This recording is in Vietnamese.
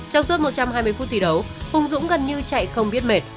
trong suốt một trăm hai mươi phút thi đấu hùng dũng gần như chạy không biết mệt